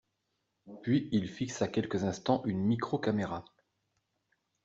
Puis il fixa quelques instants une micro-caméra.